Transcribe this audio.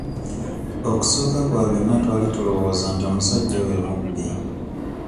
Okusooka kwa byonna twali tulowooza nti omusajja oyo mubbi.